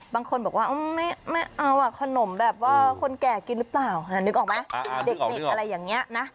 บางคนบอกว่าไม่เอาขนมแบบว่าคนแก่กินหรือเปล่านึกออกไหมเด็กอะไรอย่างนี้นะ